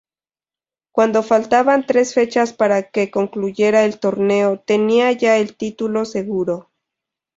Cuando faltaban tres fechas para que concluyera el torneo, tenían ya el título seguro.